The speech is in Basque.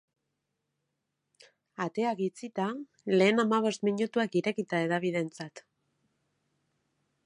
Ateak itxita, lehen hamabost minutuak irekita hedabideentzat.